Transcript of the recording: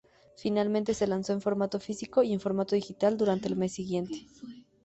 Finalmente, se lanzó en formato físico y en formato digital durante el mes siguiente.